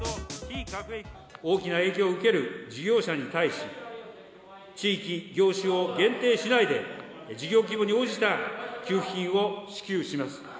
大きな影響を受ける事業者に対し、地域・業種を限定しないで、事業規模に応じた給付金を支給します。